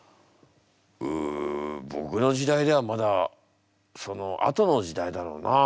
うん僕の時代ではまだそのあとの時代だろうなあ。